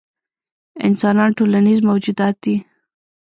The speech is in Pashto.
انسانان ټولنیز موجودات دي.